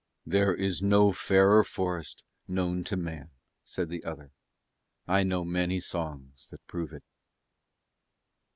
"There is no fairer forest known to man," said the other. "I know many songs that prove it."